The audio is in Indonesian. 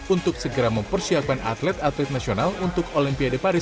untuk segera mempersiapkan atlet atlet nasional untuk olimpiade paris dua ribu dua puluh empat